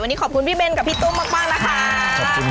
วันนี้ขอบคุณพี่เบนกับพี่ตุ้มมากนะคะ